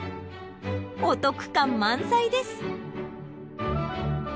お得感満載です。